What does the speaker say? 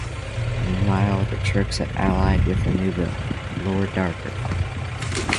Meanwhile, the Trix have allied with a new villain, Lord Darkar.